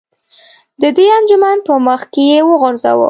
د دې انجمن په مخ کې یې وغورځوه.